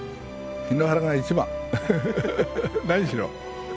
檜原が一番何しろ。